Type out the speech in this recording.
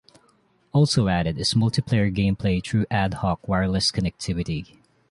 Also added is multiplayer game-play through ad hoc wireless connectivity.